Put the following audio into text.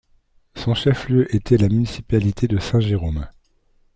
Son chef-lieu était la municipalité de Saint-Jérôme.